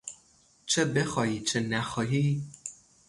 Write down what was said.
چه بخواهی چه نخواهی